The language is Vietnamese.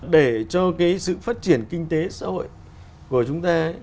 để cho cái sự phát triển kinh tế xã hội của chúng ta